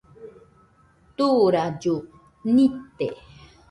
Turaillu nite